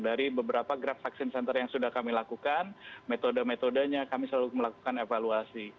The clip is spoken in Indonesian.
dari beberapa grab vaksin center yang sudah kami lakukan metode metodenya kami selalu melakukan evaluasi